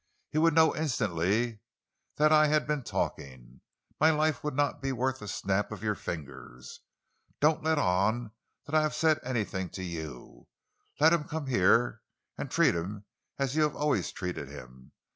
He would know, instantly, that I had been talking. My life would not be worth a snap of your fingers! Don't let on that I have said anything to you! Let him come here, and treat him as you have always treated him.